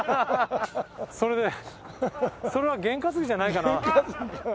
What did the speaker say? それねそれは験担ぎじゃないかな。